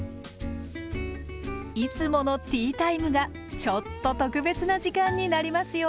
いつものティータイムがちょっと特別な時間になりますよ。